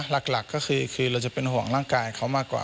หลักก็คือเราจะเป็นห่วงร่างกายเขามากกว่า